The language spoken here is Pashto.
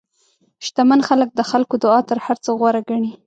شتمن خلک د خلکو دعا تر هر څه غوره ګڼي.